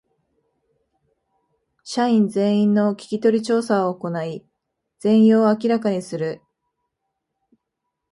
社員全員の聞き取り調査を行い全容を明らかにする